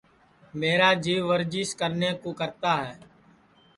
میرا جیو ورجیس کرنے کُو کرتا ہے